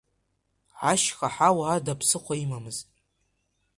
Ашьха ҳауа ада ԥсыхәа имамызт.